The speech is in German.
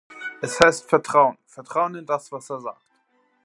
Es heißt Vertrauen Vertrauen in das, was er sagt.